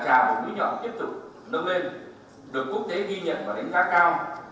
chất lượng giáo dục phổ thông cả đại trà và mũi nhỏ tiếp tục nâng lên được quốc tế ghi nhận và đánh giá cao